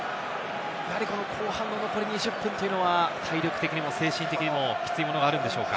後半の残り２０分というのは体力的にも精神的にも、きついものがあるんでしょうか？